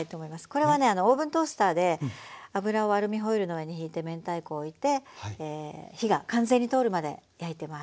これはねオーブントースターで油をアルミホイルの上にひいて明太子を置いて火が完全に通るまで焼いてます。